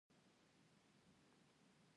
د بانکونو یوه مهمه دنده دلته ذکر کوو